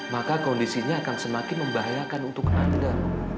maka kondisinya akan semakin membahayakan untuk anda